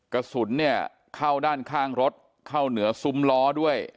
กระสุนเนี่ยเข้าด้านข้างรถเข้าเหนือซุ้มล้อด้วย